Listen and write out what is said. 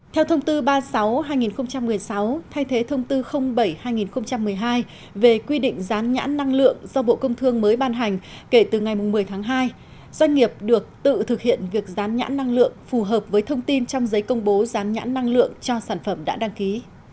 theo thông tư ba mươi sáu hai nghìn một mươi sáu thay thế thông tư bảy hai nghìn một mươi hai về quy định rán nhãn năng lượng do bộ công thương mới ban hành kể từ ngày một mươi tháng hai doanh nghiệp được tự thực hiện việc rán nhãn năng lượng phù hợp với thông tin trong giấy công bố gián nhãn năng lượng cho sản phẩm đã đăng ký